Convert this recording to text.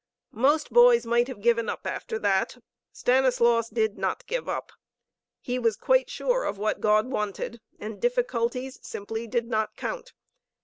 Most boys might have given up after that. Stanislaus did not give up. He was quite sure of what God wanted, and difficulties simply did not count.